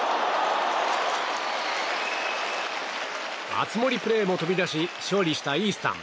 熱盛プレーも飛び出し勝利したイースタン。